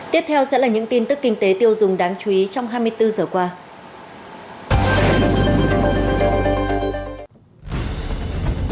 tiếp theo sẽ là những tin tức kinh tế tiêu dùng đáng chú ý trong hai mươi bốn giờ qua